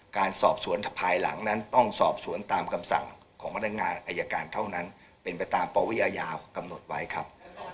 การสอบสวนภายหลังนั้นต้องสอบสวนตามคำสั่งของพนักงานอายการเท่านั้นเป็นไปตามปวิอาญากำหนดไว้ครับ